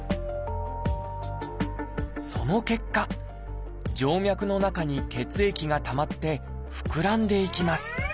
その結果静脈の中に血液がたまって膨らんでいきます。